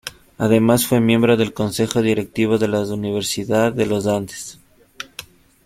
Además, fue miembro del Consejo Directivo de la Universidad de Los Andes.